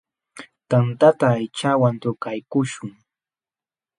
Tantata aychawan trukaykuśhun.